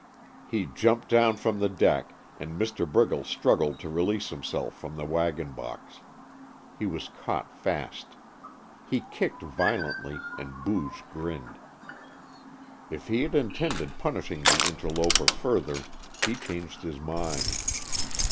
He jumped down from the deck, and Mr. Briggles struggled to release himself from the wagon box. He was caught fast. He kicked violently, and Booge grinned. If he had intended punishing the interloper further, he changed his mind.